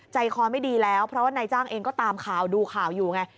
ใจคอไม่ดีแล้วเพราะว่านายจ้างเองก็ตามข่าวดูข่าวอยู่ไง